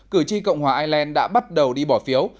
cử tri cộng hòa ireland đã bắt đầu đi bỏ phiếu